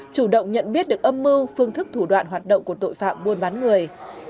chủ động nhận biết được âm mưu phương thức thủ đoạn hoạt động của tội phạm buôn bán người